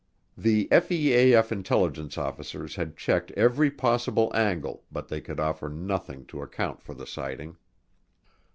The FEAF intelligence officers had checked every possible angle but they could offer nothing to account for the sighting.